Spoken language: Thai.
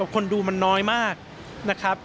คนดูมันน้อยมากนะครับ